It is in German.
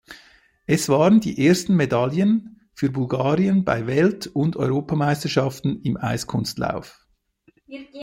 Es waren die ersten Medaillen für Bulgarien bei Welt- und Europameisterschaften im Eiskunstlauf.